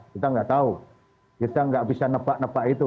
kita nggak tahu kita nggak bisa nebak nebak itu